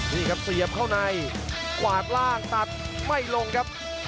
นี่ครับเสียบเข้าในกวาดล่างตัดไม่ลงครับ